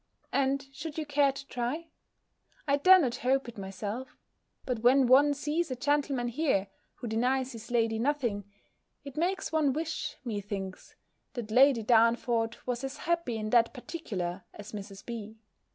And should you care to try? I dare not hope it myself: but when one sees a gentleman here, who denies his lady nothing, it makes one wish, methinks, that Lady Darnford, was as happy in that particular as Mrs. B.